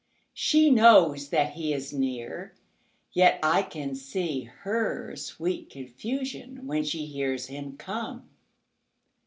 She knows that he is near, yet I can seeHer sweet confusion when she hears him come.